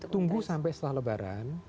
tunggu sampai setelah lebaran